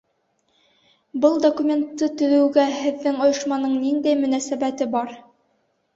— Был документты төҙөүгә һеҙҙең ойошманың ниндәй мөнәсәбәте бар?